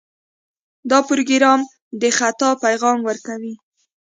دا پروګرام د خطا پیغام ورکوي.